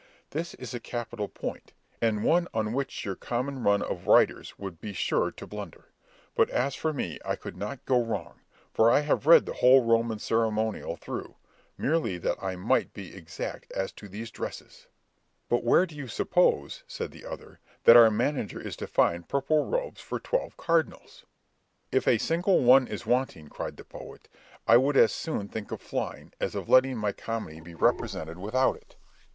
This is a capital point, and one on which your common run of writers would be sure to blunder; but as for me I could not go wrong, for I have read the whole Roman ceremonial through, merely that I might be exact as to these dresses." "But where do you suppose," said the other, "that our manager is to find purple robes for twelve cardinals?" "If a single one is wanting," cried the poet, "I would as soon think of flying, as of letting my comedy be represented without it.